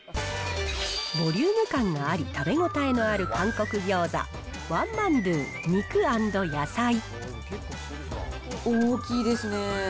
ボリューム感があり食べ応えがある韓国餃子、大きいですね。